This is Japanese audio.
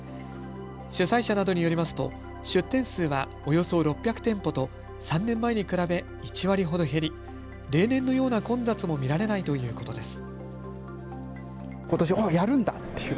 主催者などによりますと出店数はおよそ６００店舗と３年前に比べ１割ほど減り例年のような混雑も見られないということです。